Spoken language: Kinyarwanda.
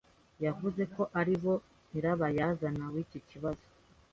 Yavuze ko ari bo nyirabayazana w'iki kibazo.